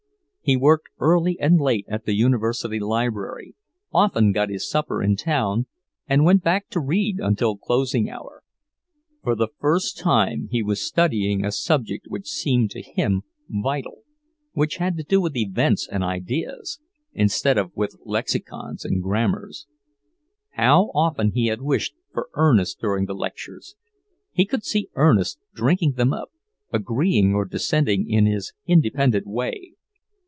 He worked early and late at the University Library, often got his supper in town and went back to read until closing hour. For the first time he was studying a subject which seemed to him vital, which had to do with events and ideas, instead of with lexicons and grammars. How often he had wished for Ernest during the lectures! He could see Ernest drinking them up, agreeing or dissenting in his independent way.